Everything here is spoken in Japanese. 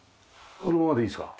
このままでいいですか？